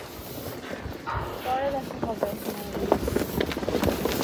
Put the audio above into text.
পরে দেখা হবে, মেবি।